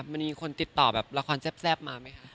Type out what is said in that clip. มันมีคนติดต่อแบบละครแซ่บมาไหมคะ